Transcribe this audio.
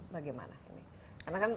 bagaimana karena kan